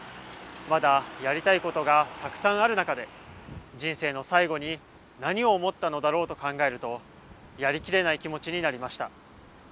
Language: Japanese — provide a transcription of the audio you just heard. まだ、やりたいことがたくさんある中で人生の最後に何を思ったのだろうと考えると、やりきれない気持ちになりました。